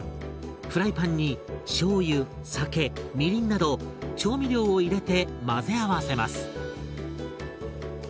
フライパンにしょうゆ酒みりんなど調味料を入れて混ぜ合わせます。